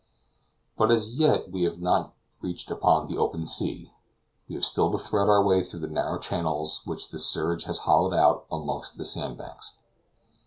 But as yet we have not reached the open sea we have still to thread our way through the narrow channels which the surge has hollowed out amongst the sand banks.